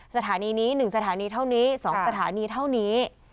สถานีนี้๑สถานีเท่านี้๒สถานีเท่านี้